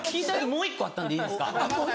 もう１個あったんでいいですか。